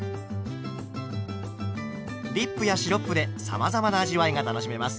ディップやシロップでさまざまな味わいが楽しめます。